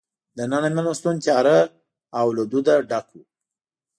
دننه مېلمستون تیاره او له دود نه ډک وو.